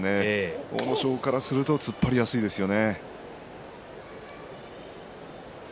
阿武咲からすると突っ張りやすいですね。